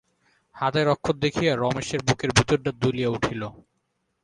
হাতের অক্ষর দেখিয়া রমেশের বুকের ভিতরটা দুলিয়া উঠিল।